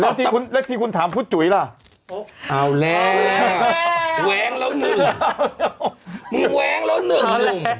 แล้วทีคุณแล้วทีคุณถามพูดจุ๋ยล่ะอาวแล้วแหวงแล้วหนึ่ง